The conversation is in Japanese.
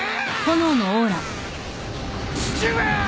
父上！